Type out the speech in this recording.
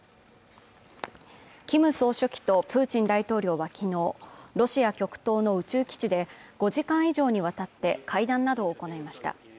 キム総書記とプーチン大統領はきのうロシア極東の宇宙基地で５時間以上にわたって会談などを行いました